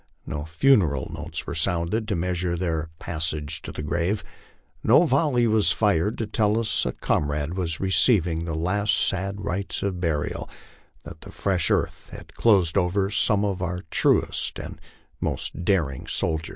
No funeral note sounded to measure their pas sage to the grave. No volley was fired to tell us a comrade was receiving t last sad rites of burial, that the fresh earth had closed over some of our truest and most daring soldiers.